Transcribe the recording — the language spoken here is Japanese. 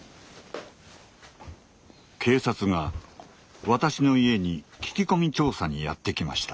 警察が私の家に聞き込み調査にやって来ました。